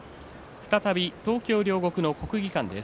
再び東京・両国の国技館です。